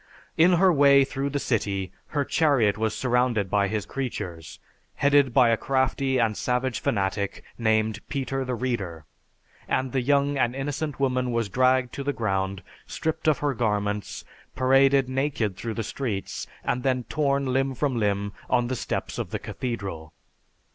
In her way through the city, her chariot was surrounded by his creatures, headed by a crafty and savage fanatic named Peter the Reader, and the young and innocent woman was dragged to the ground, stripped of her garments, paraded naked through the streets, and then torn limb from limb on the steps of the Cathedral.